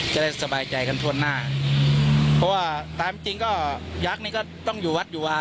จะได้สบายใจกันทั่วหน้าเพราะว่าตามจริงจริงก็ยักษ์นี่ก็ต้องอยู่วัดอยู่ว่า